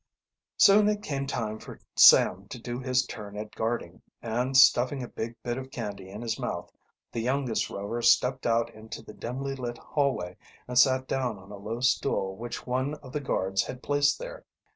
Soon it came time for Sam to do his turn at guarding, and stuffing a big bit of candy in his mouth, the youngest Rover stepped out into the dimly lit hallway and sat down on a low stool which one of the guards had placed there.